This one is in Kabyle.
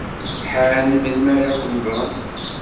Ḥaren melmi ara ken-ẓren.